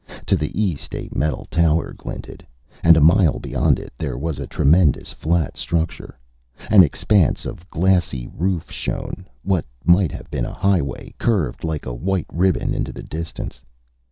To the east, a metal tower glinted. And a mile beyond it there was a tremendous flat structure. An expanse of glassy roof shone. What might have been a highway curved like a white ribbon into the distance.